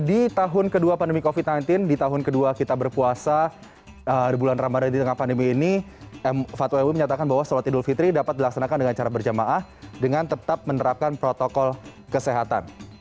di tahun kedua pandemi covid sembilan belas di tahun kedua kita berpuasa di bulan ramadan di tengah pandemi ini fatwa mui menyatakan bahwa sholat idul fitri dapat dilaksanakan dengan cara berjamaah dengan tetap menerapkan protokol kesehatan